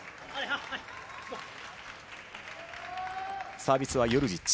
サービスはヨルジッチ。